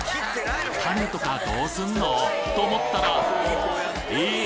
種とかどうすんの？と思ったらえぇっ！？